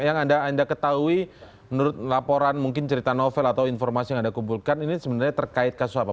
yang anda ketahui menurut laporan mungkin cerita novel atau informasi yang anda kumpulkan ini sebenarnya terkait kasus apa